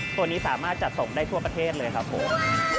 ตัวนี้สามารถจัดส่งได้ทั่วประเทศเลยครับผม